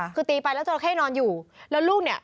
คือตีไปแล้วจราเข้นอนอยู่แล้วลูกเนี่ย